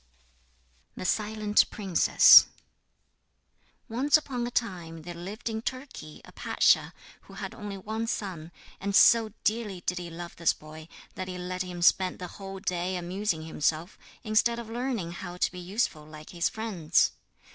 THE SILENT PRINCESS Once upon a time there lived in Turkey a pasha who had only one son, and so dearly did he love this boy that he let him spend the whole day amusing himself, instead of learning how to be useful like his friends.